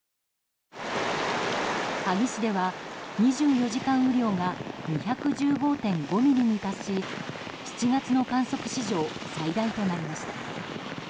萩市では、２４時間雨量が２１５．５ミリに達し、７月の観測史上最大となりました。